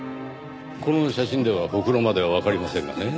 この写真ではほくろまではわかりませんがねぇ。